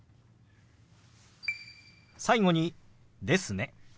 最後に「ですね」。